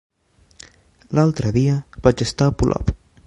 L'altre dia vaig estar a Polop.